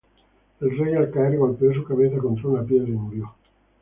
El rey, al caer, golpeo su cabeza contra una piedra y murió.